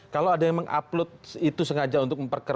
kalau ada yang mengupload itu sengaja untuk memperkenal